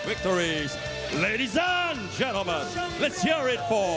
ทุกท่านทุกท่านขอบคุณก่อน